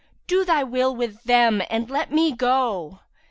Do thy will with them and let me go!"